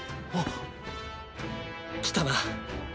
来たな！